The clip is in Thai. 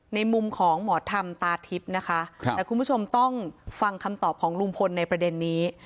ในมุมของหมอธรรมตาทิพย์นะคะแต่คุณผู้ชมต้องฟังคำตอบของลุงพลในประเด็นนี้